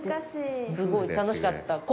すごい楽しかった。